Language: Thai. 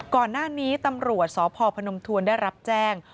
ก่อนหน้านี้ตำรวจสพพนมทวนได้รับแจ้ง